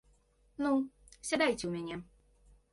Ну, сядайце ў мяне.